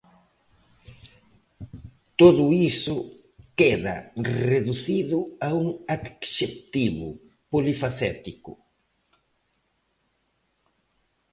Todo iso queda reducido a un adxectivo: polifacético.